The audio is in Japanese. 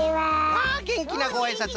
わあげんきなごあいさつ